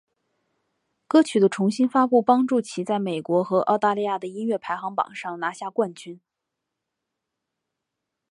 歌曲的重新发布帮助其在美国和澳大利亚的音乐排行榜上拿下冠军。